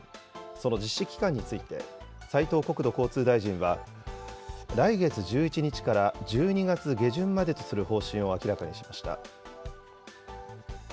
その実施期間について、斉藤国土交通大臣は、来月１１日から１２月下旬までとする方針を明らかにしました。